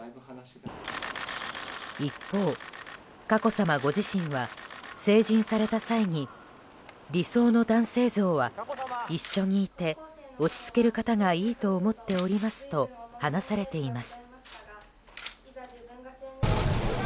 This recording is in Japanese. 一方、佳子さまご自身は成人された際に理想の男性像は一緒にいて落ち着ける方がいいと思っておりますと話されています。